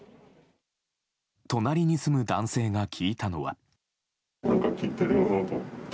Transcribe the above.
隣に住む男性が聞いたのは。